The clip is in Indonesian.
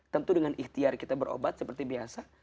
tentu dengan ikhtiar kita berobat seperti biasa